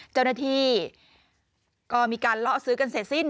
เจ้าหน้าที่ก็มีการล่อซื้อกันเสร็จสิ้น